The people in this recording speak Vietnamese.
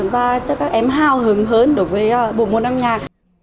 và cho các em hào hứng hơn đối với bộ môn âm nhạc